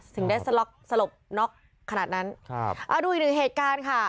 ถึงได้สล็อกสลบน็อกขนาดนั้นครับเอาดูอีกหนึ่งเหตุการณ์ค่ะ